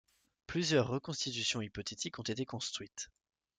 Plusieurs reconstitutions hypothétiques ont été construites.